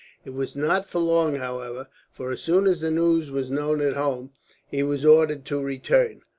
It was not for long, however; for as soon as the news was known at home, he was ordered to return.